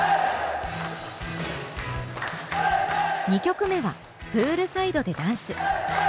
２曲目はプールサイドでダンス。